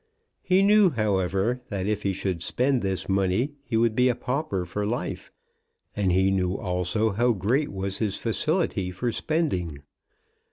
He knew, however, that if he should spend this money he would be a pauper for life; and he knew also how great was his facility for spending.